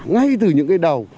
ngay từ những cái đầu